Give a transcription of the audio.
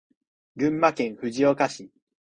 群馬県藤岡市